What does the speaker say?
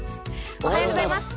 おはようございます。